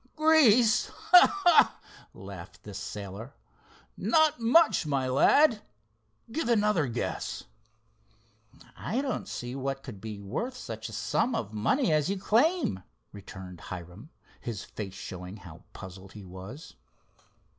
"Grease! Ha! ha!" laughed the sailor. "Not much, my lad. Give another guess." "I don't see what could be worth such a sum of money as you claim," returned Hiram, his face showing how puzzled he was.